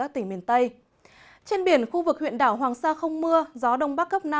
trên biển khu vực huyện đảo hoàng sa không mưa gió đông bắc cấp năm